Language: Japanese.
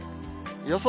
予想